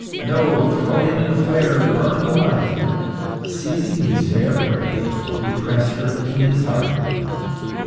"No; throw him in the fire! Burn him alive!" Seizing his fair prey, he pressed her to his heart.